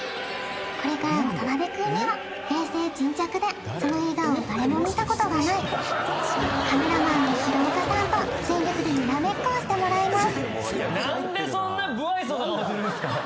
これから渡辺くんには冷静沈着でその笑顔を誰も見たことがないカメラマンの廣岡さんと全力でにらめっこをしてもらいます